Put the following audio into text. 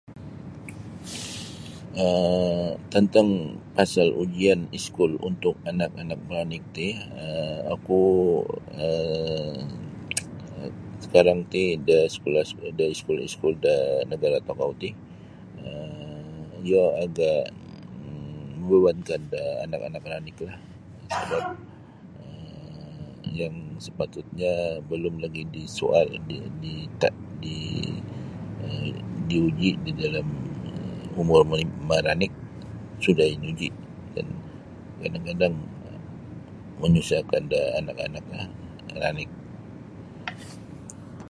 um Tentang pasal ujian iskul untuk anak-anak ranik ti um oku um sekarang ti da sekolah-sekolah da iskul-iskul da nagara tokou ti iyo agak membebankan da anak-anak ranik sebap yang sepatutnyo belum disoal diuji di dalam umur maranik sudah inuji um kadang-kadang menyusahkan da anak-anaklah ranik .